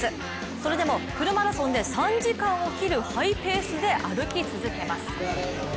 それでもフルマラソンで３時間を切るハイペースで歩き続けます。